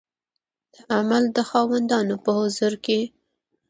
د عمل د خاوندانو په حضور کې